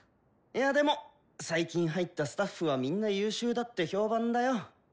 いやでも最近入ったスタッフはみんな優秀だって評判だよ。